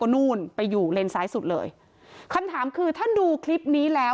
นู่นไปอยู่เลนซ้ายสุดเลยคำถามคือถ้าดูคลิปนี้แล้ว